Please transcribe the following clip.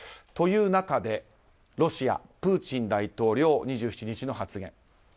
という中でロシア、プーチン大統領２７日の発言。